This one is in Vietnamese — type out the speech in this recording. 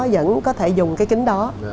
vẫn có thể dùng cái kính đó